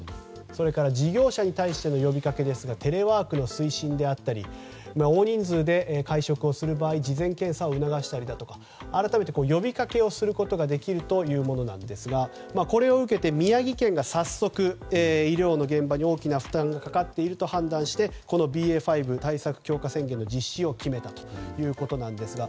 それから事業者に対しての呼びかけですがテレワークの推進であったり大人数で会食をする場合事前検査を促したり呼びかけをすることができるというものなんですがこれを受けて宮城県が早速医療の現場に大きな負担がかかっていると判断してこのＢＡ．５対策強化宣言の実施を決めたということなんですが。